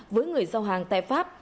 với người giao hàng tại pháp